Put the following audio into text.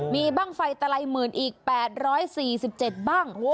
มีบ้างไฟตะไลหมื่นอีก๘๔๗บ้าง